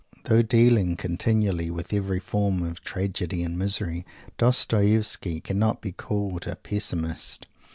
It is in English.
Though dealing continually with every form of tragedy and misery, Dostoievsky cannot be called a Pessimist.